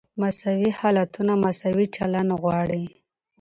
مساوي حالتونه مساوي چلند غواړي.